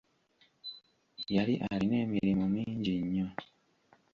Yali alina emirimo mingi nnyo.